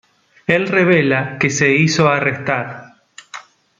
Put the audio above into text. Él revela que se hizo arrestar.